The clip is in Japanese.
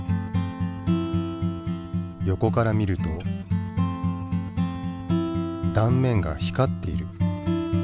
横から見ると断面が光っている。